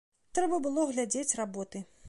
Трэба было глядзець работы.